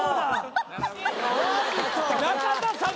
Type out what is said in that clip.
中田さん。